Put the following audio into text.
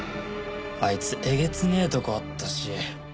あいつえげつねえとこあったし。